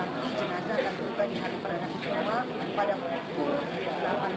nanti jenazah akan berubah di halaman peranak semua pada pukul delapan pagi